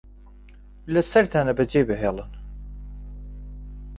لەسەرتانە بەجێی بهێڵن